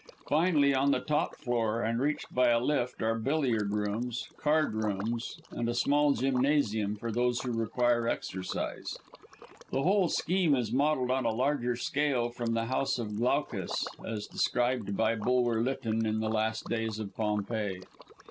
Finally, on the top floor, and reached by a lift, are billiard rooms, card rooms, and a small gymnasium for those who require exercise. The whole scheme is modelled on a larger scale from the House of Glaucus, as described by Bulwer Lytton in "The Last Days of Pompeii."